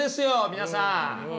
皆さん。